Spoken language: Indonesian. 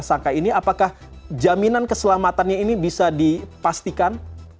apakah jaminan keselamatannya ini bisa dipastikan